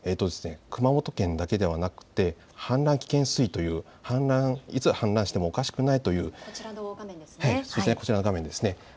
熊本県だけではなくて氾濫危険水位といういつ氾濫してもおかしくないというこちらの画面ですね。